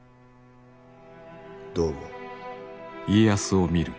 どう思う？